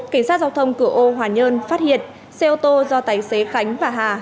cảnh sát giao thông cửa ô hòa nhơn phát hiện xe ô tô do tài xế khánh và hà